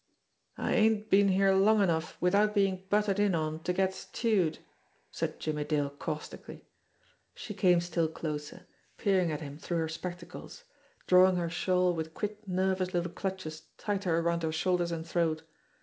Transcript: "I ain't been here long enough, without being butted in on, to get stewed," said Jimmie Dale caustically. She came still closer, peering at him through her spectacles, drawing her shawl with quick nervous little clutches tighter around her shoulders and throat.